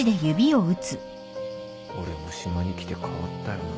俺も島に来て変わったよな。